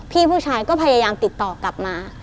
พี่ผู้ชายก็พยายามติดต่อกลับมา